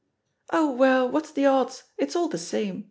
"Oh, well, what's the odds, it's all the same.